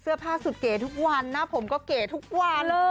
ผ้าสุดเก๋ทุกวันหน้าผมก็เก๋ทุกวันเลย